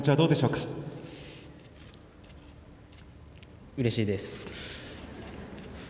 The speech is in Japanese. うれしいです。